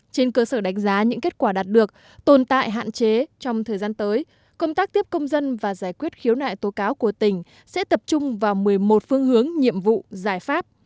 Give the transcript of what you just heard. trên cơ sở đánh giá những kết quả đạt được tồn tại hạn chế trong thời gian tới công tác tiếp công dân và giải quyết khiếu nại tố cáo của tỉnh sẽ tập trung vào một mươi một phương hướng nhiệm vụ giải pháp